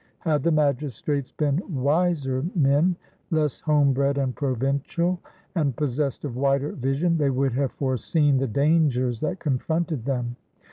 Had the magistrates been wiser men, less homebred and provincial, and possessed of wider vision, they would have foreseen the dangers that confronted them.